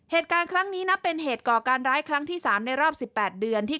เหตุการณ์ครั้งนี้นับเป็นเหตุก่อการร้ายครั้งที่๓ในรอบ๑๘เดือนที่